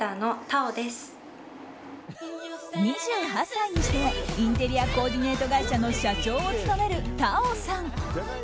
２８歳にしてインテリアコーディネート会社の社長を務める、Ｔａｏさん。